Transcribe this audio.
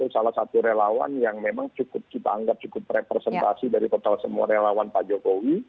salah satu relawan yang memang cukup kita anggap cukup representasi dari total semua relawan pak jokowi